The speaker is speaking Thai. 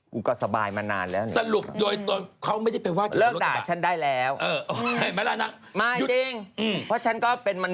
กูก็สบายมานานแล้ว